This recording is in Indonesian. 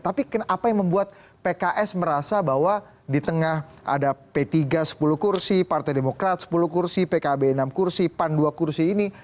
tapi apa yang membuat pks merasa bahwa di tengah ada p tiga sepuluh kursi partai demokrat sepuluh kursi pkb enam kursi pan dua kursi ini